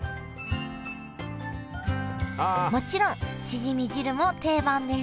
もちろんしじみ汁も定番です